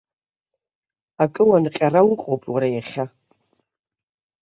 Акы уанҟьара уҟоуп уара иахьа.